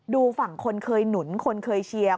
ดูฝั่งคนเคยหนุนคนเคยเชียร์